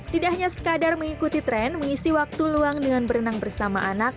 tidak hanya sekadar mengikuti tren mengisi waktu luang dengan berenang bersama anak